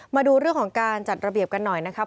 มาดูเรื่องของการจัดระเบียบกันหน่อยนะครับ